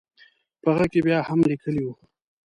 په هغه کې بیا هم لیکلي وو.